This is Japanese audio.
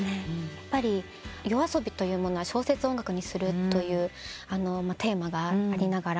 やっぱりＹＯＡＳＯＢＩは小説を音楽にするというテーマがありながら。